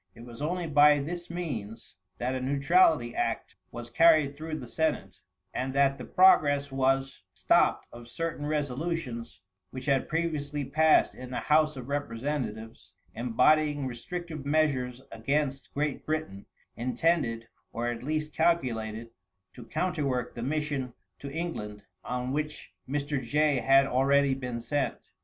It was only by this means that a neutrality act was carried through the senate, and that the progress was stopped of certain resolutions which had previously passed in the House of Representatives, embodying restrictive measures against Great Britain, intended, or at least calculated, to counterwork the mission to England on which Mr. Jay had already been sent.